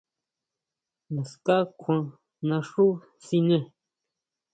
Naská kjuan naxú siné.